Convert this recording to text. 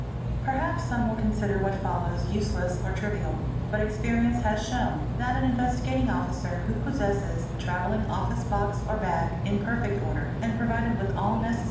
_ Perhaps some will consider what follows useless or trivial; but a xperience has shown that an Investigating Officer who possesses a | travelling office box or bag, in perfect order and provided with all neces